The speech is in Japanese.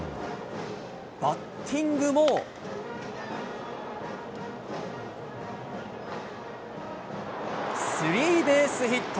バッティングも、スリーベースヒット。